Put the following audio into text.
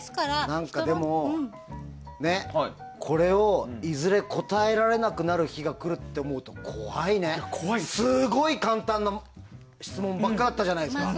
でも、これをいずれ答えられなくなる日が来ると思うと怖いね、すごい簡単な質問ばっかだったじゃないですか。